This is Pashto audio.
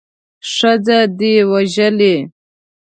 ښځه دې وژلې.